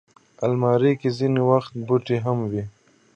الماري کې ځینې وخت بوټي هم وي